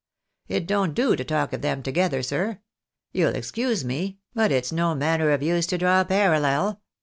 It don't do to talk of them together, sir. You'll excuse me, but it's no manner of use to draw a parallel.